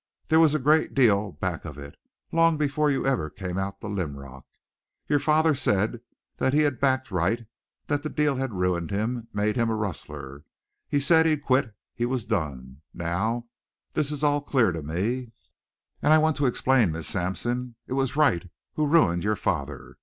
There was a great deal back of it, long before you ever came out to Linrock. Your father said that he had backed Wright, that the deal had ruined him, made him a rustler. He said he quit; he was done. Now, this is all clear to me, and I want to explain, Miss Sampson. It was Wright who ruined your father.